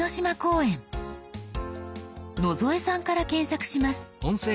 野添さんから検索します。